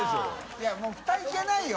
いもうふたいけないよ。